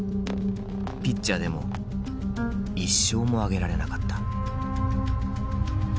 ピッチャーでも１勝もあげられなかった。